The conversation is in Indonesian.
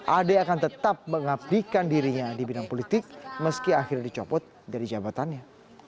ade akan tetap mengabdikan dirinya di bidang politik meski akhirnya dicopot dari jabatannya